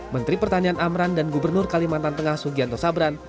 menteri pertanian amran dan gubernur kalimantan tengah sugianto sabran